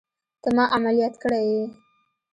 ته ما عمليات کړى يې.